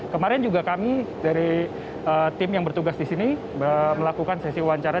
kemarin juga kami dari tim yang bertugas di sini melakukan sesi wawancara